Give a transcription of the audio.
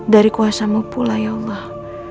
dari kuasamu pula ya allah